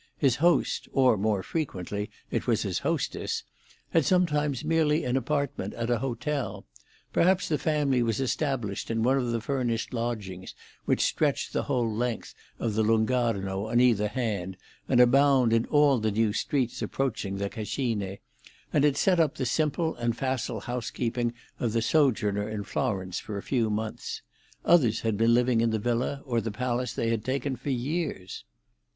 His host—or more frequently it was his hostess—had sometimes merely an apartment at a hotel; perhaps the family was established in one of the furnished lodgings which stretch the whole length of the Lung' Arno on either hand, and abound in all the new streets approaching the Cascine, and had set up the simple and facile housekeeping of the sojourner in Florence for a few months; others had been living in the villa or the palace they had taken for years.